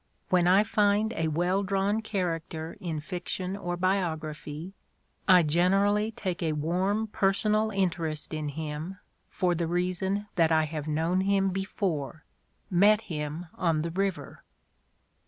When I find a weljl drawn character in fiction or biography, I gener ally take a warm personal interest in him, for the rea son that I have known him before — met him on the river."